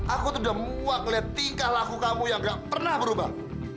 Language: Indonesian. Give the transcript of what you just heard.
aku tuh udah muak lihat tingkah laku kamu yang gak pernah berubah